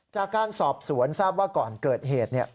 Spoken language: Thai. จากการสอบสวนทราบว่าก่อนเกิดเหตุ